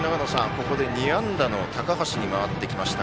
ここで２安打の高橋に回りました。